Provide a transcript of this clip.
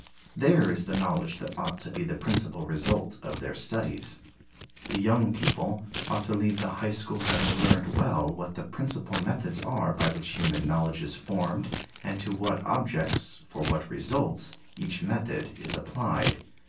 There is the knowledge that ought to be the principal result of their studies. The young people ought to leave the high school having learned well what the principal methods are by which human knowledge is formed and to what objects, for what results, each method is applied.